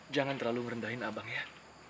jangan terlalu merendahin abang ya